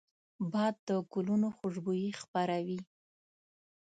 باد د ګلونو خوشبويي خپروي